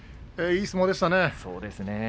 いい相撲でしたね。